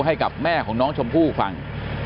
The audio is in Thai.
ให้กับแม่ของน้องชมพู่ฟัง